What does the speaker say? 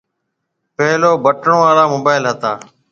پيل بٽڻون آݪا موبائل ھتا